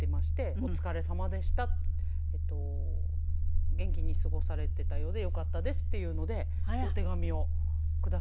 「お疲れさまでした」「元気に過ごされてたようでよかったです」っていうのでお手紙をくださいました。